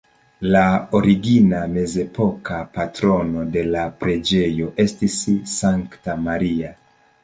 La origina mezepoka patrono de la preĝejo estis Sankta Maria.